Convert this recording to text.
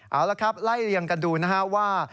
เอาละครับไล่เรียงกันดูนะฮะว่า